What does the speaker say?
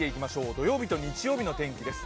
土曜日と日曜日の天気です。